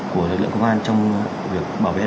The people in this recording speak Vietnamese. của lực lượng công an trong việc bảo vệ